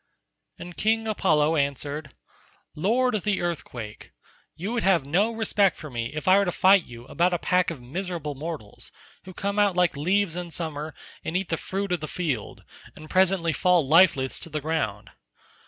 And King Apollo answered, "Lord of the earthquake, you would have no respect for me if I were to fight you about a pack of miserable mortals, who come out like leaves in summer and eat the fruit of the field, and presently fall lifeless to the ground.